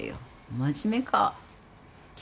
真面目か。